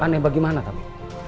aneh bagaimana tami